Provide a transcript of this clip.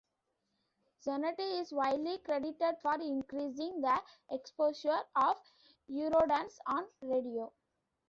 Zanetti is widely credited for increasing the exposure of Eurodance on radio.